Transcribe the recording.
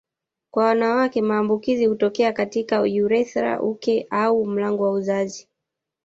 Kwa wanawake maambukizi hutokea katika urethra uke au mlango wa uzazi